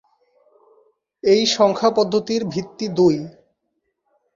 এই সংখ্যা পদ্ধতির ভিত্তি দুই।